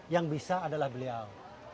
yang bisa adalah beliau